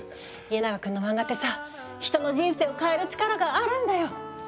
家長くんのマンガってさ人の人生を変える力があるんだよ。